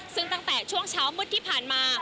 ซึ่งตั้งแต่ช่วงเช้ามืดที่ผ่านมา